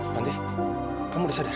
nanti kamu udah sadar